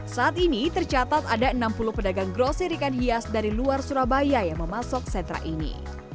saat ini tercatat ada enam puluh pedagang grosir ikan hias dari luar surabaya yang memasuk sentra ini